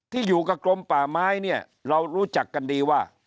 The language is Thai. ที่อยู่กับกรมป่าไม้เนี่ยเรารู้จักกันดีว่า